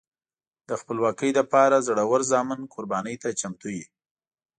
د خپلواکۍ لپاره زړور زامن قربانۍ ته چمتو وي.